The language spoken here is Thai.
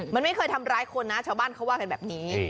มันไม่เคยทำร้ายคนนะชาวบ้านเขาว่ากันแบบนี้